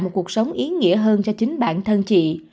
một cuộc sống ý nghĩa hơn cho chính bản thân chị